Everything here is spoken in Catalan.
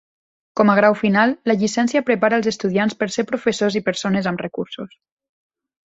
Com a grau final, la llicència prepara els estudiants per ser professors i persones amb recursos.